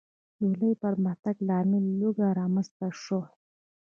د لوی پرمختګ له امله لوږه رامنځته شوه.